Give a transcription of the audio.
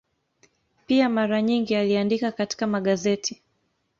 Pia mara nyingi aliandika katika magazeti.